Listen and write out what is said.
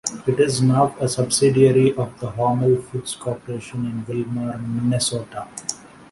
It is now a subsidiary of the Hormel Foods Corporation in Willmar, Minnesota.